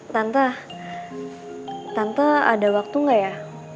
tante tante ada waktu nggak ya